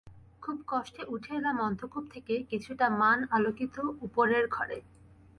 খুব কষ্টে উঠে এলাম অন্ধকূপ থেকে কিছুটা মান-আলোকিত উপরের ঘরে।